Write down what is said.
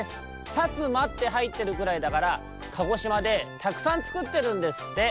「さつま」ってはいってるぐらいだから鹿児島でたくさんつくってるんですって。